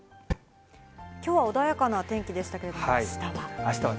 きょうは穏やかな天気でしたけれども、あしたは。